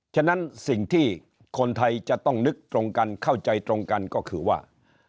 ฉะนั้นสิ่งที่คนไทยจะต้องนึกตรงกันเข้าใจตรงกันก็คือว่า